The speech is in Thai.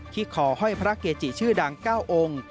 ที่คอห้อยพระเกจิชื่อดัง๙องค์